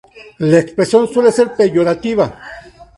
La expresión suele ser peyorativa.